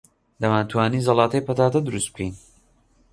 دەمانتوانی زەڵاتەی پەتاتە دروست بکەین.